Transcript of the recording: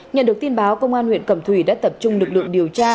nhận được tin báo công an huyện cẩm thủy đã tập trung lực lượng điều tra